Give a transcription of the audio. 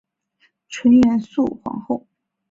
纯元肃皇后。